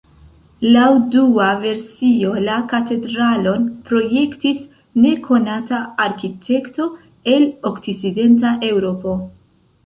Laŭ dua versio la katedralon projektis nekonata arkitekto el Okcidenta Eŭropo.